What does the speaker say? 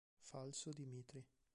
Falso Dimitri